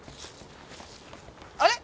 あれ？